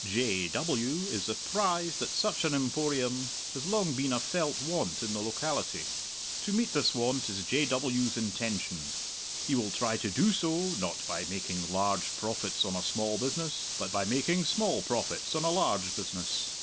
J. W. is apprised that such an Emporium has long been a felt want in the locality. To meet this want is J. W.'s intention. He will try to do so, not by making large profits on a small business, but by making small profits on a large business.